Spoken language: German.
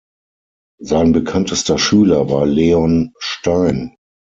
Sein bekanntester Schüler war Leon Stein.